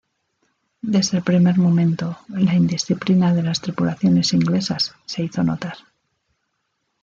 Desde el primer momento, la indisciplina de las tripulaciones inglesas se hizo notar.